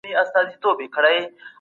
وږي ماشومان په درس کې پام نشي کولی.